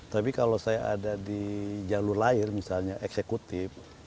tapi kalau saya ada di jalur lain misalnya eksekutif